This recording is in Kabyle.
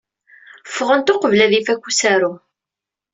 Ffɣent uqbel ad ifak usaru.